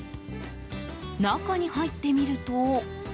中に入ってみると。